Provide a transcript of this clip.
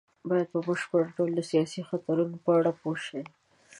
بايد په بشپړ ډول د سياسي خطرونو په اړه پوه شي.